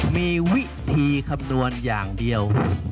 มีวิธีคำนวณอย่างเดียว